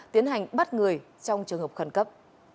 tiến hành bắt người trong trường hợp khẩn cấp